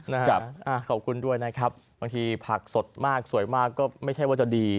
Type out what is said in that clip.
ขอบคุณด้วยนะครับบางทีผักสดมากสวยมากก็ไม่ใช่ว่าจะดี